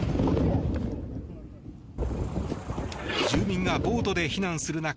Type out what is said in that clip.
住民がボートで避難する中